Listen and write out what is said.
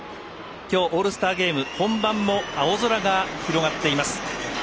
きょう、オールスターゲーム本番も青空が広がっています。